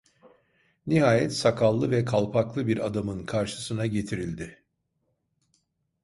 Nihayet sakallı ve kalpaklı bir adamın karşısına getirildi.